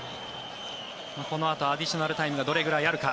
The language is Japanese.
このあとアディショナルタイムがどれくらいあるか。